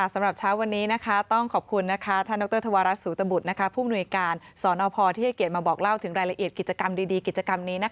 สำหรับเช้าวันนี้ต้องขอบคุณท่านดรธวรัฐสูตบุตรผู้มนุยการสนพที่ให้เกียรติมาบอกเล่าถึงรายละเอียดกิจกรรมดีกิจกรรมนี้